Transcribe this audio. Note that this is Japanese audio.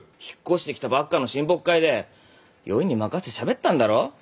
引っ越してきたばっかの親睦会で酔いに任せてしゃべったんだろ？